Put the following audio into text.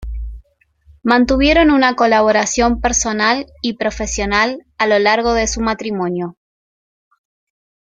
Mantuvieron una colaboración personal y profesional a lo largo de su matrimonio.